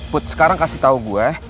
put sekarang kasih tahu gue